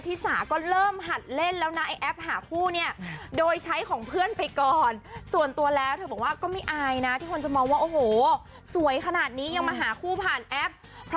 ตัวเองเนี่ยเขาแบบว่าจำไม่ได้นะว่าโสดมานานกี่ปีแล้ว